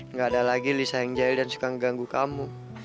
enggak ada lagi lisa yang jahil dan suka ngeganggu kamu